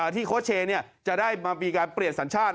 โค้ชเชย์จะได้มีการเปลี่ยนสัญชาติ